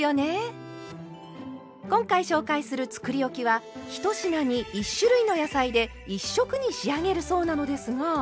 今回紹介するつくりおきは１品に１種類の野菜で１色に仕上げるそうなのですが。